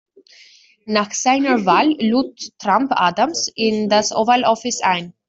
Nach seiner Wahl lud Trump Adams in das Oval Office ein.